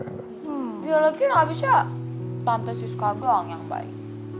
ya lagi gak bisa tante siska doang yang baik